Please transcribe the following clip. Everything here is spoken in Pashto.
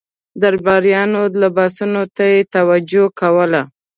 درباریانو لباسونو ته یې توجه کوله.